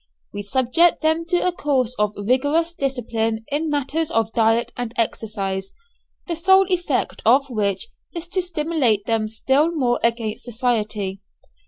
We subject them to a course of rigorous discipline in matters of diet and exercise, the sole effect of which is to stimulate them still more against society.